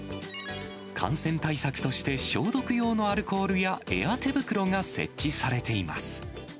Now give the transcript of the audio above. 感染対策として、消毒用のアルコールやエア手袋が設置されています。